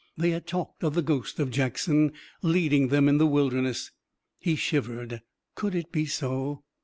They had talked of the ghost of Jackson leading them in the Wilderness. He shivered. Could it be so?